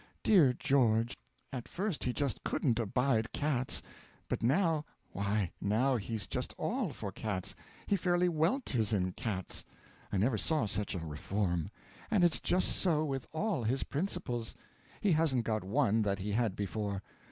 Dear George! at first he just couldn't abide cats; but now, why now he's just all for cats; he fairly welters in cats. I never saw such a reform. And it's just so with all his principles: he hasn't got one that he had before.